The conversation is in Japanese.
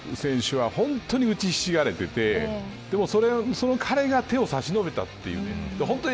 ネイマール選手は本当に打ちひしがれててでも、その彼が手を差し伸べたというね。